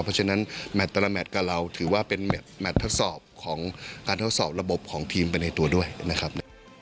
เพราะฉะนั้นแมทแต่ละแมทกับเราถือว่าเป็นแมททดสอบของการทดสอบระบบของทีมไปในตัวด้วยนะครับ